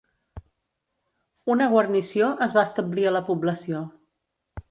Una guarnició es va establir a la població.